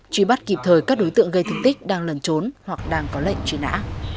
truy bắt kịp thời các đối tượng gây thương tích đang lần trốn hoặc đang có lệnh truy nã